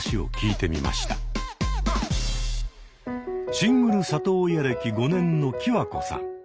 シングル里親歴５年のキワコさん。